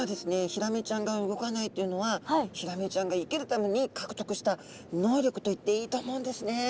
ヒラメちゃんが動かないというのはヒラメちゃんが生きるためにかくとくした能力といっていいと思うんですね。